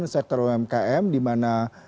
sektor umkm dimana